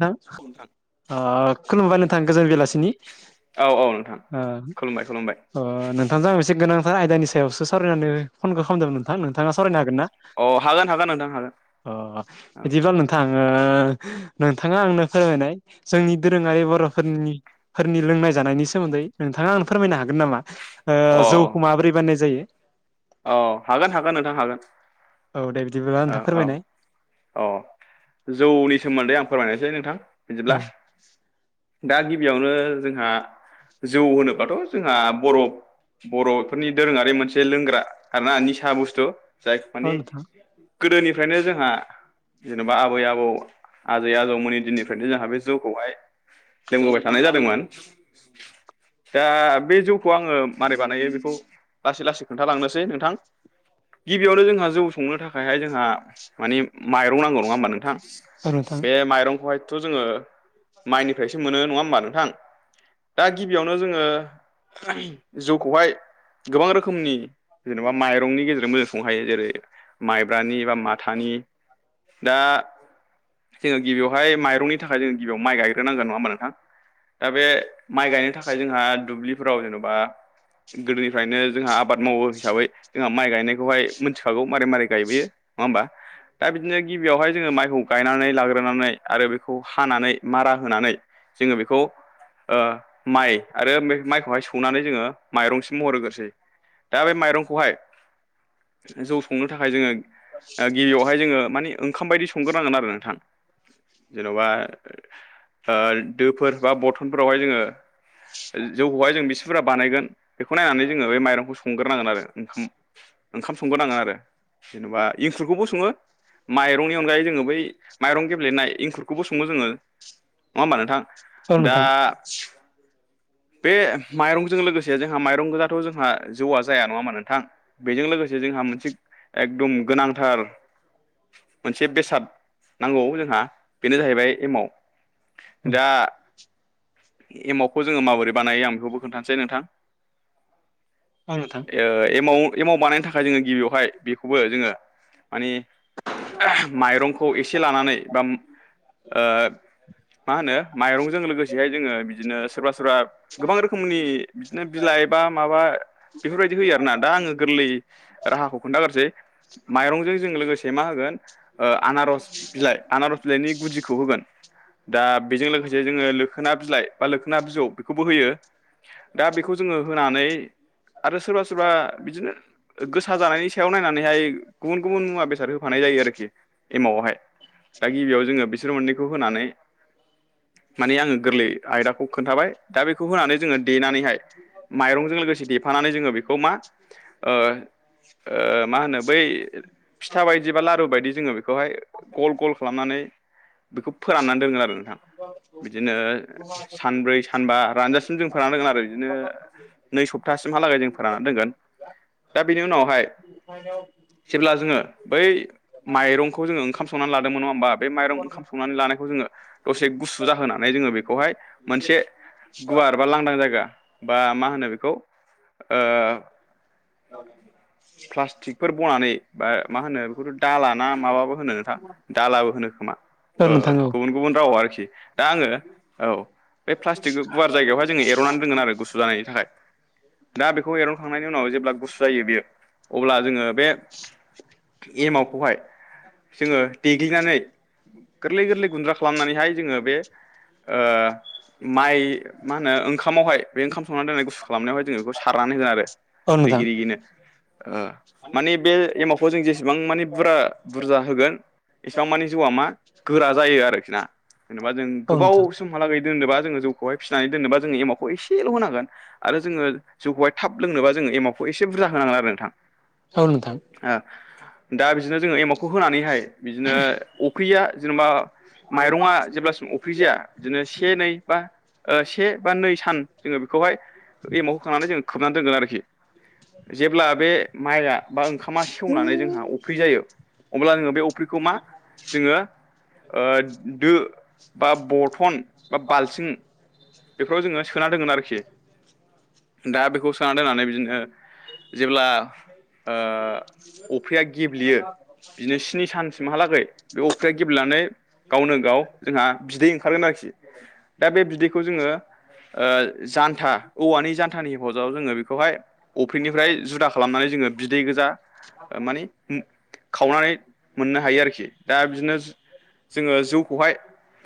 नोंथां ओ खुलुमबाय नोंथां गोजोन बेलासिनि औ औ नोंथां खुलुमबाय खुलुमबाय अ नोंथांजों आं एसे गोनांथार आयदानि सायावसो सावरायनानै फनखौ खालामदोंमोन नोंथां नोंथाङा सावरायनो हागोन ना अ हागोन हागोन हागां हागोन अ अ बिदिबाल नोंथाङो नोंथाङा आंनो फोरमायनाय जोंनि दोरोङारि बर'फोरनि फोरनि लोंनाय जानायनि सोमोन्दै नोंथाङा आं फोरमायनो हागोन नामा ओ औ जौखौ माबोरै बाननाय जायो? औ हागोन हागोन नोंथां हागोन। औ दे बिदिब्ला नोंथां फोरमायनाय। अ जौनि सोमोन्दै आं फोरमायनोसै नोंथां औ बिदिब्ला। दा गिबियावनो जोंहा जौ होनोबाथ' जोंहा बर' बर'फोरनि दोरोङारि मोनसे लोंग्रा आरोना निसा बुस्थु जाय औ नोंथां मानिगोदोनिफ्रायनो जोंहा जेनेबा आबै आबौ आजै आजौमोननि दिननिफ्रायनो जोंहा बे जौखौहाय लोंबोबाय थानाय जादोंमोन दा बे जौखौ आङो मारै बानायो बेखौ लासै लासै खोन्थालांनोसै नोंथां। गिबियावनो जोंहा जौ संनो थाखायहाय जोंहा मानि माइरं नांगौ नङा होमबा नोंथां? औ नोंथां बे माइरंखौहायथ' जोङो माइनिफ्रायसो मोनो नङा होमबा नोंथां? दा गिबियावनो जोङो [unintelligible] जौखौहाय गोबां रोखोमनि जेनेबा माइरंनि गेजेरजोंबो जों सं हायो जेरै माइब्रानि बा माथानि दा जोङो गिबियावहाय माइरंनि थाखाय जों गिबियाव माइ गायग्रोनांगोन नङा होमबा नोंथां? दा बे माइ गायनो थाखाय जोंहा दुब्लिफोराव जेन'बा गोदोनिफ्रायनो जोंहा आबाद मावो हिसाबै जोंहा माइ गायनायखौहाय मिथिखागौ मारै मारै गायबोयो नङा होमबा? दा बिदिनो गिबियावहाय जोङो माइखौ गायनानै लाग्रोनानै आरो बेखौ हानानै मारा होनानै जोङो बेखौ ओ माइ आरो बे माइखौहाय सौनानै जोङो माइरं महर होग्रोसै दा बे माइरंखौहाय जौ संनो थाखाय जोङो दा गिबियावहाय जोङो माने ओंखाम बायदि संग्रोनांगोन आरो नोंथां। जेन'बा ओ दोफोर बा बरथनफोरावहाय जोङो जौखौहाय जों बिसिफोरा बानायगोन बेखौ नायनानै जोङो बे माइरंखौ संग्रोनांगोन आरो। ओंखाम ओंखाम संग्रोनांगोन आरो। जेनेबा इंखुरखौबो सङो माइरंनि अनगायै जोङो बै माइरं गेब्लेनाय इंखुरखौबो सङो जोङो। नङा होमबा औ नोंथां दा नोंथां बे माइरंजों लोगोसे जोंहा माइरं गोजाथ' जोंहा जौआ जाया नङा मा नोंथां बेजों लोगोसे जोंहा मोनसे एकदम गोनांथार मोनसे बेसाद नांगौ जोंहा बेनो जाहैबाय एमाव। दा एमावखौ जोङो माबोरै बानायो आं बेखौबो खोन्थानोसै नोंथां। औ नोंथां ओ एमाव एमाव बानायनो थाखाय जोङो गिबियावहाय बेखौबो जोङो माने माइरंखौ एसे लानानै बा ओ मा होनो माइरंजों लोगोसेहाय जोङो बिदिनो सोरबा सोरबा गोबां रोखोमनि बिदिनो बिलाइ एबा माबा बेफोरबायदि होयो आरोना दा आङो गोरलै राहाखौ खोन्थागारसै माइरंजों जों लोगोसे मा होगोन ओ आनारस बिलाइ आनारस बिलाइनि गुदिखौ होगोन दा बेजों लोगो जे जोङो लोखोना बिलाइ बा लोखोना बिजौ बेखौबो होयो। दा बेखौ जोङो होनानै आरो सोरबा सोरबा बिदिनो गोसा जानायनि सायाव नायनानैहाय गुबुन गुबुन मुवा बेसाद होफानाय जायो आरोखि एमावआवहाय दा गिबियाव जोङो बिसोर मोननैखौ होनानै माने आङो गोरलै आयदाखौ खोन्थाबाय दा बेखौ होनानै जोङो देनानैहाय माइरंजों लोगोसे देफानानै जोङो बेखौ मा ओ ओ मा होनो बै फिथा बायदि बा लारु बायदि जोङो बेखौहाय गल गल खालामनानै बेखौ फोराननानै दोनगोन आरो नोंथां बिदिनो सानब्रै सानबा रानजासिम जों फोरान होगोन आरो बिदिनो नै सप्तासिमहालागै जों फोरानना दोनगोन दा बेनि उनावहाय जेब्ला जोङो बै माइरंखौ जोङो ओंखाम संनानै लादों नङा होनोमबा बे माइरं ओंखाम- संनानै लानायखौ जो दसे गुसु जाहोनानै जोङो बेखौहाय मोनसे गुवार बा लांदां जायगा बा मा होनो बेखौ ओ [unintelligible] प्लास्टिकफोर बनानै बा मा होनो दालााना माबाबो होनो नोंथां। दालाबो होनो खोमा औ नोंथां गुबुन गुबुन राव आरोखि दा आङो औ बे प्लास्टिक गुवार जायगायावहाय जोङो एर'नानै रोंगोन आरो गुसु जानायनि थाखाय दा बेखौ एरनखांनायनि उनाव जेब्ला गुसु जायो बेयो अब्ला जोङो बे एमआावखौहाय जोङो देग्लिनानै गोरलै गोरलै गुन्द्रा खालामनानैहाय जोङो बे माइ मा होनो ओंखामावहाय बे ओंखाम संनानै दोननाय गुसु खालामनायावहाय जोंङो बेखौ सारनानै होयो आरो औ नोंथां रिगि रिग नो ओ माने बे एमावखौ जों जेसेबां माने बुरजा होगोन एसेबां मानि जौआ मा गोरा जायो। आरोखि ना जेनेबा जों औ नोंथां गोबाव समहागै दोनबा जोङो जौखौहाय फिनानै दोनोबबा जोंङो एमावखौ एसेल' होनांगोन आरो जोङो जौखौहाय थाब लोंनोबा जोङो एमावखौ एसे बुरजा होनांगोन आरो नोंथां। औ नोंथां। ओ दा बिदिनो जोङो एमावखौ होनानैहाय बिदिनो अख्रिया जेनेबा माइरङा जेब्लासिम अफ्रि जाया बिदिनो से नै बा से बा नै सान जोङो बेखौहाय एमाव होखांनानै जोङो खोबनानै दोनगोन आरोखि जेब्ला बे माइआ बा ओंखामा सेवनानै जोंहा अफ्रि जायो। अब्ला जोङो बे अफ्रिखौ मा जोङो ओ दो बा बथन बा बालथिं बेफोराव जोङो सोना दोनोन आरोखि दा बेखौ सोना दोननानै बिदिनो जेब्ला [unintelligible] ओ अफ्रिया गेब्लेयो बिदिनो स्नि सानसिमहालागै बे अफ्रिया गेब्लेनानै गावनो गाव जोंहा बिदै ओंखारगोन आरोखि दा बे बिदैखौ जोङो। ओ जानथा औवानि जानथानि हेफाजाबाव जोङो बेखौहाय अफ्रिनिफ्राय जुदा खालामनानै जोङो बिदै गोजा ओ मानि खावनानै मोननो हायो आरोखि दा बिदिनो जोङो जौखौहाय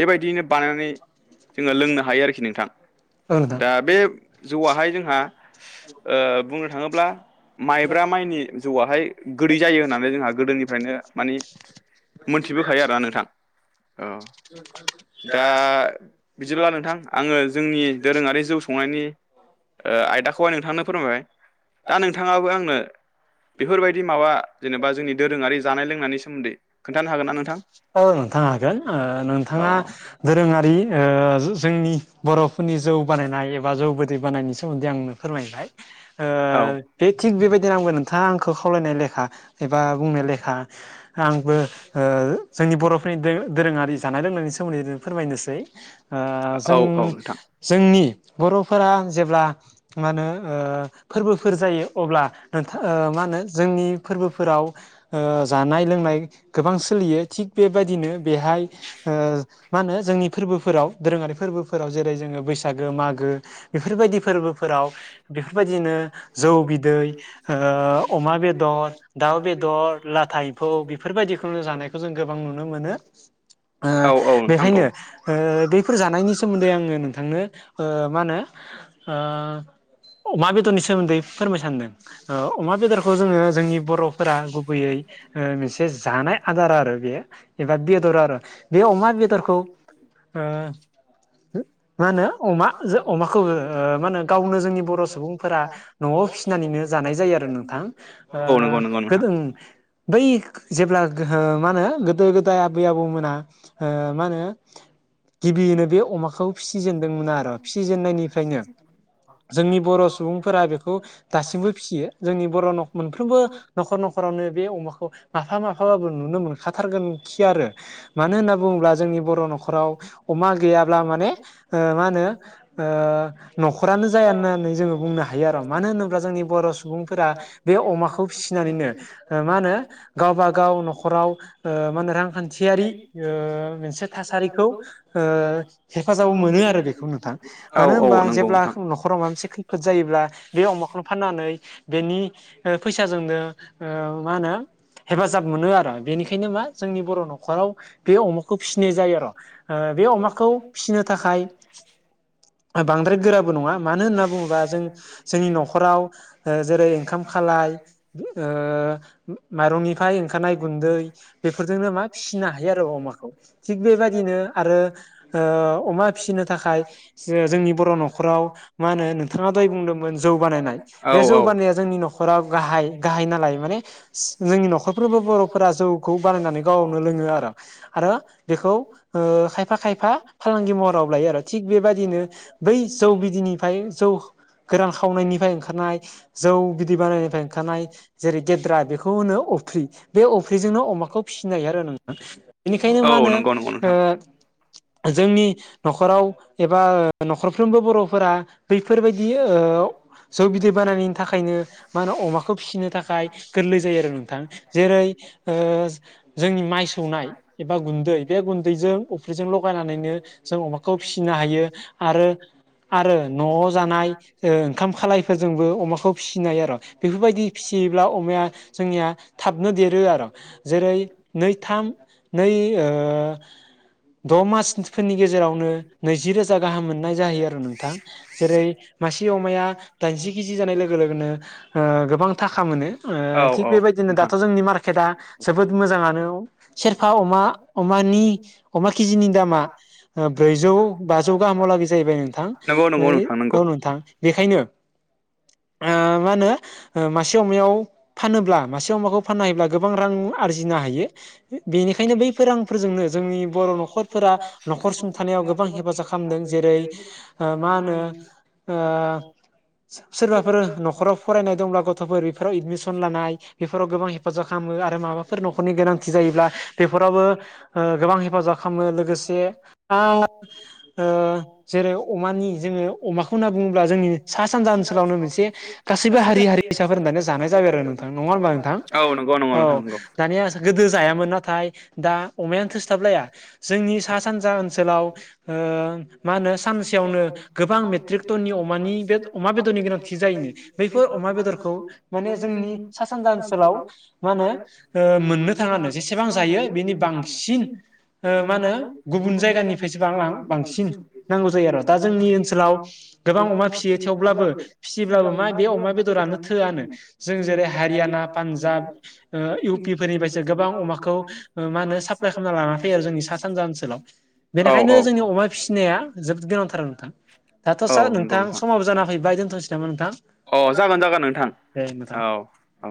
बेबायदियैनो बानायनानै जोङो लोंनो हायो आरोखि नोंथां। औ नोंथां। जौआाहाय जोंहा ओ बुंनो थाङोब्ला माय ब्रा माइनि जौआाहाय गोदै जायो होननानै जोंहा गोदोनिफ्रायनो मानि मोनथिबोखायो आरोना नोंथां। औ [unintelligible] दा बिदिब्ला नोंथां आङो जोंनि दोरोङारि जौ संनायनि ओ आयदाखौहय नोंथांनो फोरमायबाय दा नोंथाङाबो आंनो बेफोरबायदि माबा जेनेबा जोंनि दोरोङारि जानाय लोंनायनि सोमोन्दै खोन्थानो हागोन ना नोंथां? औ नोंथां हागोन ओ औ नोंथाङा दोरोङारि ओ जोंनि बर'फोरनि जौ बानायनाय एबा जौ गोदै बानायनि सोमोन्दै आंनो फोरमायबाय ओ औ बे थिग बेबायदि आंबो नों नोंथाङा आंखौ खावलायनाय लेखा एबा बुंनाय लेखा आंबो ओ जोंनि बर'फोरनि दोरोङारि जानाय लोंनायनि सोमोन्दै नो फोरमायनोसै। ओ‌ औ जों औ नोंथां जोंनि बर'फोरा जेब्ला मा होनो ओ फोरबोफोर जायो अब्ला ओ मा होनो जोंनि फोरबोफोराव ओ जानाय लोंनाय गोबां सोलियो थिग बेबायदिनो बेहाय ओ मा होनो जोंनि फोरबोफोराव दोरोङारि फोरबोफोराव जेरै जोंङो बैसागो मागो बेफोरबायदि फोरबोफोराव बेफोरबायदिनो जौ बिदै ओ अमा बेदर दाउ बेदर लाथा एमफौ बेफोरबायदिखौनो जानायखौ जों गोबां नुनो मोनो ओ औ औ नोंथां औ बेखायनो ओ बेफोर जानायनि सोमोन्दै आङो नोंथांनो ओ मा होनो ओ अमा बेदरनि सोमोन्दै फोरमाय सानदों। ओ अमा बेदरखौ जोंङो जोंनि बर'फोरा गुबैयै ओ मोनसे जानाय आदार आरो बेयो। बे अमा बेदर ओ खौ मा होनो अमा जो ओ अमाखौ ओ मा होनो गावनो जोंनि बर' सुबुं फोरा न'आव फिसिनानैनो जानाय जायो आरो नोंथां ओ औ उम नंगौ नंगौ नोंथां गोदों बै जेब्ला ओ मा होनो गोदो गोदाय आबै-आबौ मोना ओ मा होनो गिबियैनो बे अमाखौ फिसिजेनदोंमोन आरो फिसिजेननायनिफ्रायनो जोंनि बर' सुबुंफोरा बेखौ दासिमबो फिसियो जोंनि बर' न' मोनफ्रोमबो न'खर न'खरावनो बे अमाखौ माफा माफाबाबो नुनो मोनखाथारगोन खि आरो। मानो होनना बुङोब्ला जोंनि बर' न'खराव अमा गैयाब्ला माने ओ मा होनो ओ न'खरानो जाया होननानै जोंङो बुंनो हायो आरो मानो होनोब्ला जोंनि बर' सुबुंफोरा बे अमाखौ फिसिनानैनो ओ मा होनो गावबा गाव न'खराव ओ मा होनो रांखान्थियारि ओ मोनसे थासारिखौ ओ हेफाजाब मोनो आरो बेखौ नोंथां। औ मानो औ होनबा नंगौ जेब्ला नोंथां न'खराव माबा मोनसे खैफोद जायोब्ला बे अमाखौनो नानै बेनि ओ फैसाजोंनो ओ मा होनो हेफाजाब मोनो आरो बेनिखायनो मा जोंनि बर' न'खराव बे अमाखौ फिसिनाय जायो आरो ओ बे अमाखौ फिसिनो थाखाय बांद्राय गोराबो नङा मानो होनना बुङोबा जों जोंनि न'खर आव ओ जेरै ओंखाम खालाय ओ माइरंनिफ्राय ओंखारनाय गुन्दै बेफोरजोंनो मा फिसिनो हायो आरो अमाखौ। थिग बेबायदिनो आरो ओ अमा फिसिनो थाखाय जो जोंनि बर' न'खराव मा होनो नोंथाङा दहाय बुंदोंमोन जौ बानायनाय। बे औ औ जौगानायनाया जोंनि न'खराव गाहाय गाहाय नालाय माने जोंनि न'खरफ्रावबो बर'फोरा जौ खौ बानायनानै गावनो लोंङो आरो। आरो बेखौ ओ खायफा खायफा फालांगि महराव लायो आरो। थिग बेबायदिनो बै जौ बिदैनिफ्राय जौ गोरान खावनायनिफ्राय ओंखारनाय जौ बिदै बानायनायनिफ्राय ओंखारनाय जेरै गेद्रा बेखौ होनो अफ्रि बे अफ्रिजोंनो अमाखौ फिसिनाय आरो नोंथां। बेनिखायनो मा औ होनो नंगौ नंगौ ओ नोंथां जोंनि न'खराव एबा न'खरफ्रोमबो बर'फोरा बैफोरबायदि ओ जौ बिदै बानायनि थाखायनो मा होनो अमाखौ फिसिनो थाखाय गोरलै जायो आरो नोंथां जेरै ओ जोंनि माइ सौनाय एबा गुन्दै बे गुन्दैजों अफ्रिजों लगायनानैनो जों अमाखौ फिसिनो हायो आरो आरो न'आव जानाय ओ ओंखाम खालाय फोरजोंबो अमाखौ फिसिनो हायो आरो बेफोरबायदि फिसियोब्ला अमाया जोंनिया थाबनो देरो आरो जेरै नै थाम नै ओ द मासफोरनि गेजेरावनो नैजि रोजा गाहाम मोननाय जायो आरो नोंथां जेरै मासे अमाया जि केिजि जानाय लोगो लोगोनो ओ गोबां थाखा मोनो ओ औ थिग औ बेबायदिनो नोंथां दाथ' जोंनि मार्केटआ जोबोद मोजाङानो सेरफा अमा अमानि अमा केजिनि दामा ओ ब्रैजौ बाजौ गाहामलागै जाहैबाय नोंथां नंगौ नंगौ नोंथां नंगौ औ नोंथां बेखायनो ओ मा होनो ओ मासे अमायाव फानोब्ला मासे अमाखौ फाननो हायोब्ला गोबां रां आरजिनो हायो बेनिखायनो बैफोर रांफोरजोंनो जोंनि बर' न'खर फोरा न'खर सुंथानायाव गोबां हेफाजाब खालामदों जेरै ओ मा होनो ओ सोरबाफोर न'खराव फरायनाय दंब्ला गथ'फोर बेफोराव एदमिसन लानाय बेफोराव गोबां हेफाजाब खालामो आरो माबाफोर न'खरनि गोनांथि जायोब्ला बेफोरावबो ओ गोबां हेफाजाब खालामो लोगोसे आं ओ जेरै अमानि जोंङो अमाखौ होनना बुङोब्ला जोंनि सा सानजा ओनसोलावनो मोनसे गासैबो हारि हारिसाफोर होननानै जानाय जाबाय आरो नोंथां नङा होनबा नोंथां? औ नंगौ नंगौ नोंथां औ नंगौ दानिया गोदो जायामोन नाथाय दा अमायानो थोस्लाबलाया जोंनि सा सानजा ओनसोलाव ओ मा होनो सानसेयावनो गोबां मेट्रिक नि अमानि बे [unintelligible] अमा बेदरनि गोनांथि जायोनो बैफोर अमा बेदरखौ माने जोंनि सा सानजा ओनसोल आव मा होनो ओ मोननो थांङानो जेसेबां जायो बिनि बांसिन ओ मा होनो गुबुन जायगानिफ्रायसो बांलां बांसिन नांगौ जायो आरो दा जोंनि ओनसोलाव गोबां अमा फिसियो थेव ब्लाबो फिसि ब्लाबो मा बे अमा बेदरानो थोआनो जों जेरै हारियानना पान जाब ओ इउपि फोरनिफ्रायसो गोबां अमाखौ ओ मा होनो साप्लाइ खालामना लाना फैयो आरो जोंनि सा सानजा ओन ओनसोलाव औ औ बेनिखायनो जोंनि अमा फिसिनाया जोबोद गोनांथार नोंथां दाथ' औ सार नंगौ नोंथां समाबो जाना फैबाय दोनथ'नोसै नामा नोंथां? अ जागोन जागोन नोंथां दे नोंथां औ औ